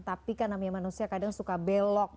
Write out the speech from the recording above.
tapi kan namanya manusia kadang suka belok